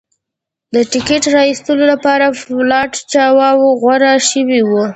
د ټکټ را ایستلو لپاره فالوټ چاواوا غوره شوی و.